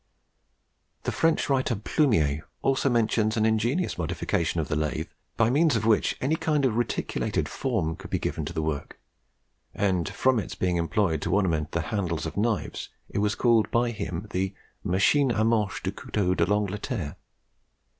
The French writer Plumier also mentions an ingenious modification of the lathe by means of which any kind of reticulated form could be given to the work; and, from it's being employed to ornament the handles of knives, it was called by him the "Machine a manche de Couteau d'Angleterre."